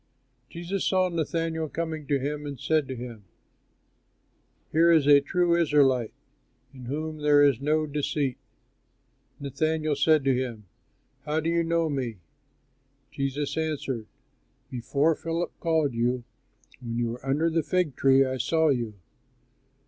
Jesus saw Nathanael coming to him and said to him, "Here is a true Israelite, in whom there is no deceit." Nathanael said to him, "How do you know me?" Jesus answered, "Before Philip called you, when you were under the fig tree, I saw you."